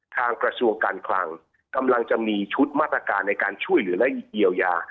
กระทรวงการคลังกำลังจะมีชุดมาตรการในการช่วยเหลือและเยียวยา